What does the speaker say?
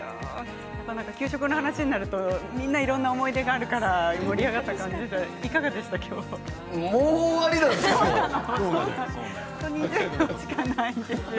給食の話になるとみんないろんな思い出があるからもう終わりなんですか？